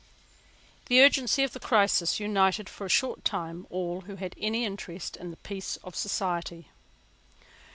The urgency of the crisis united for a short time all who had any interest in the peace of society.